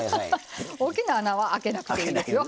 大きな穴はあけなくていいですよ。